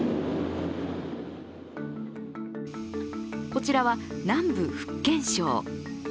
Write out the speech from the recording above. こちらは南部福建省。